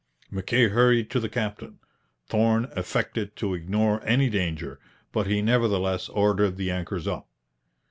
Mackay hurried to the captain. Thorn affected to ignore any danger, but he nevertheless ordered the anchors up.